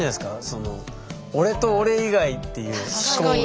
その「俺と俺以外」っていう思考が。